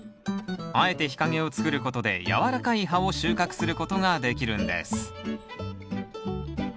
あえて日陰を作ることでやわらかい葉を収穫することができるんです。